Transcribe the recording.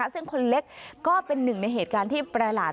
ซึ่งคนเล็กก็เป็นหนึ่งในเหตุการณ์ที่ประหลาด